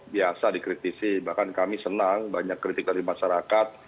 biasa dikritisi bahkan kami senang banyak kritik dari masyarakat